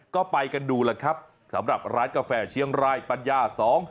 ก็ไปกันดูล่ะครับสำหรับร้านกาแฟเชียงรายปัญญาสอง